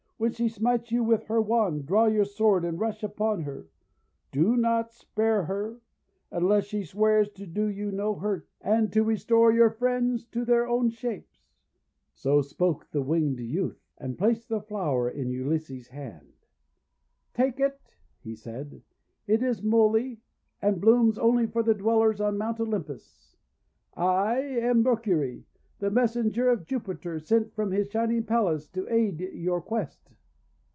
When she smites you with her wand, draw your sword and rush upon her. Do not spare her, unless she swears to do you no hurt, and to restore your friends to their own shapes." So spoke the winged youth, and placed the flower in Ulysses' hand. 394 THE WONDER GARDEN "Take it," he said, "it is Moly, and blooms only for the Dwellers on Mount Olympus. I am Mercury, the messenger of Jupiter sent from his Shining Palace to aid your quest."